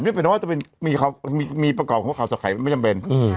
ไม่เป็นว่าจะมีประกอบหัวข่าวใส่ไข่ไม่จำเป็น